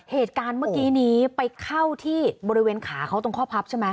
เหตุการณ์เมื่อกี้นี้ไปเข้าที่บริเวณขาเขาตรงข้อพับใช่ไหม